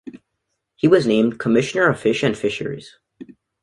He was named "Commissioner of Fish and Fisheries".